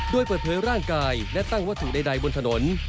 โดยเปิดเผยร่างกายและตั้งวัตถุใดบนถนน